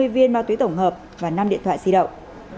hai mươi viên ma túy tổng hợp và năm điện thoại di động